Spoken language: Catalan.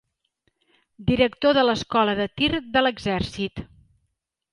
Director de l'Escola de Tir de l'Exèrcit.